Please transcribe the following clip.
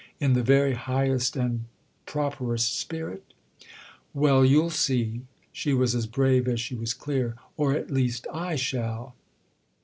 "In the very highest and properest spirit?" "Well, you'll see." She was as brave as she was clear. "Or at least I shall!"